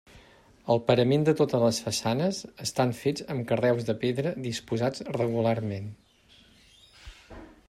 El parament de totes les façanes estan fets amb carreus de pedra disposats regularment.